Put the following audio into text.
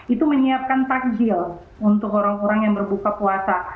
itu menyiapkan takjil untuk orang orang yang berbuka puasa